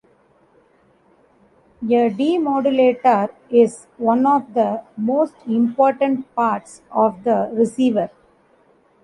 A demodulator is one of the most important parts of the receiver.